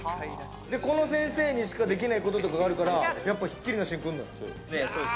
この先生にしかできないこととかがあるから、ひっきりなしで来るんだよ。